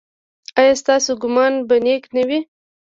ایا ستاسو ګمان به نیک نه وي؟